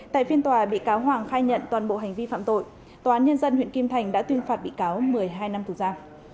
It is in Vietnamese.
tại phiên tòa bị cáo hoàng khai nhận toàn bộ hành vi phạm tội tòa án nhân dân huyện kim thành đã tuyên phạt bị cáo một mươi hai năm tù ra